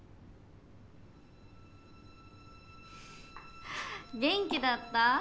フフフ元気だった？